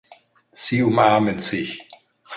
Sie umarmen sich.